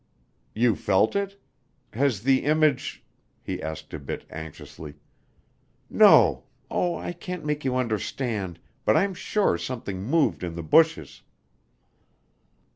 "You felt it? Has the image " he asked a bit anxiously. "No oh, I can't make you understand, but I'm sure something moved in the bushes."